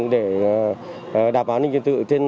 để đảm bảo an ninh trật tự